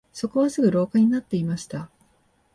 そこはすぐ廊下になっていました